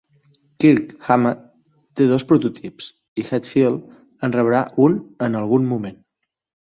Kirk Hammet té dos prototips, i Hetfield en rebrà un en algun moment.